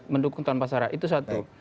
mendukung tanpa sara itu satu